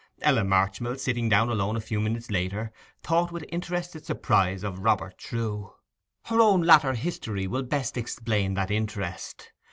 Ella Marchmill, sitting down alone a few minutes later, thought with interested surprise of Robert Trewe. Her own latter history will best explain that interest.